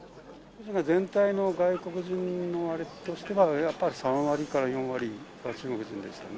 全体の外国人のあれとしては、やっぱり３割から４割が中国人でしたね。